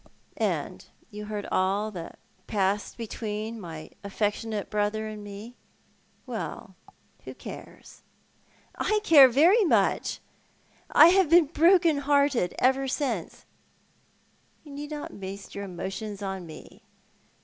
" And you heard all that passed between my affectionate brother and me. Well, who cares ?"" I care very much. I have been heart broken ever since." " You need not waste your emotions upon me.